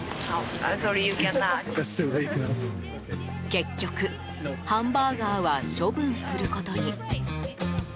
結局、ハンバーガーは処分することに。